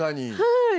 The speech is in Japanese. はい。